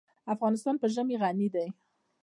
افغانستان په ژمی غني دی.